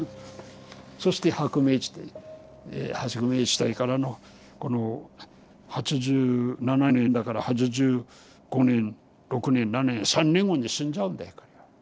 そして「薄明地帯から」のこの８７年だから８５年６年７年３年後に死んじゃうんだよ。